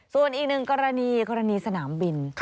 ส่วนอีกหนึ่งกรณีกรณีสนามบิน